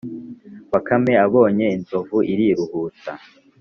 bakame abonye inzovu iriruhutsa